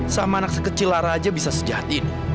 sama anak sekecil lara aja bisa sejatiin